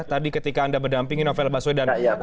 tadi ketika anda mendampingi novel baswedan